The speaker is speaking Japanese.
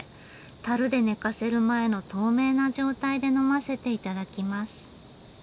樽で寝かせる前の透明な状態で呑ませて頂きます。